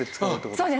そうです。